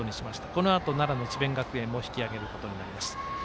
このあと奈良、智弁学園も引き揚げることになります。